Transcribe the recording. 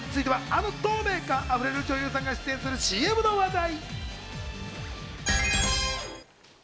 あの透明感溢れる女優さんが出演するＣＭの話題。